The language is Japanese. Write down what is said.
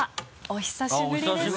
お久しぶりです。